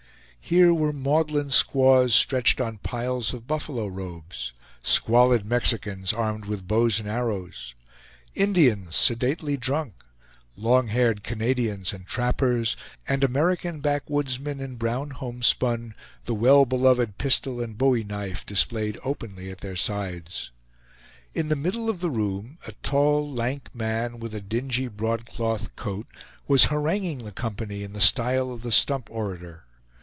Here were maudlin squaws stretched on piles of buffalo robes; squalid Mexicans, armed with bows and arrows; Indians sedately drunk; long haired Canadians and trappers, and American backwoodsmen in brown homespun, the well beloved pistol and bowie knife displayed openly at their sides. In the middle of the room a tall, lank man, with a dingy broadcloth coat, was haranguing the company in the style of the stump orator.